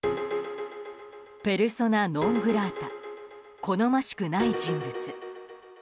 ペルソナ・ノン・グラータ好ましくない人物。